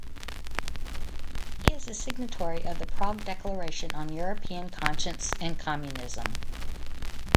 He is a signatory of the Prague Declaration on European Conscience and Communism.